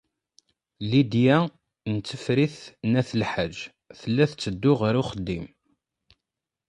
Lidya n Tifrit n At Lḥaǧ tella tetteddu ɣer uxeddim.